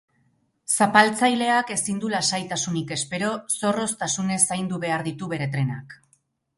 Zapaltzaileak ezin du lasaitasunik espero, zorroztasunez zaindu behar ditu bere trenak.